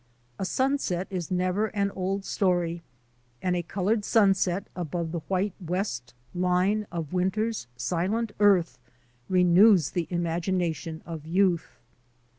A sunset is never an old story, and a coloured sunset above the white west line of winter's silent earth renews the imagination of youth.